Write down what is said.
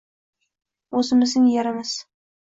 Oʻzimizning yerimiz.